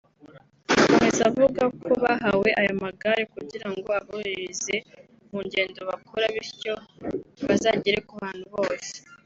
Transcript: Akomeza avuga ko bahawe aya magare kugira ngo aborohereze mu ngendo bakora bityo bazagere ku bantu bse